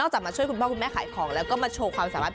จากมาช่วยคุณพ่อคุณแม่ขายของแล้วก็มาโชว์ความสามารถ